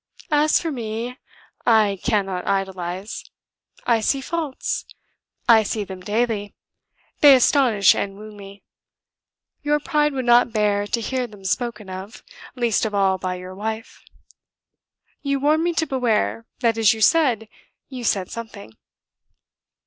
as for me, I cannot idolize. I see faults: I see them daily. They astonish and wound me. Your pride would not bear to hear them spoken of, least of all by your wife. You warned me to beware that is, you said, you said something."